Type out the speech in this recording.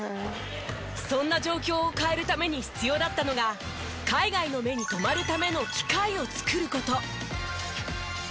そんな状況を変えるために必要だったのが海外の目に留まるための機会を作る事。